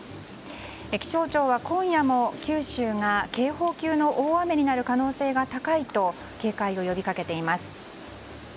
気象庁は今夜も九州が警報級の大雨になる可能性が高いと警戒を呼びかけています。